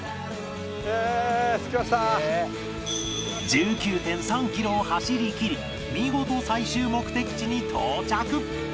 １９．３ キロを走りきり見事最終目的地に到着